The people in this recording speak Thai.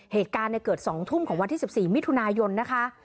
เหตุการณ์เกิด๒ทุ่มของวันที่๑๔มิถุนายนนะคะ